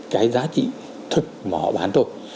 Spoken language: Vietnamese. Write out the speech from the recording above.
cái giá trị thật mà họ bán thôi